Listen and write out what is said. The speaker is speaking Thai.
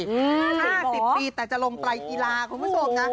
๕๐ปีแต่จะลงไตรกีฬาคุณผู้ชมนะ